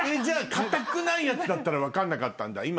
じゃあ硬くないやつだったら分かんなかったんだ。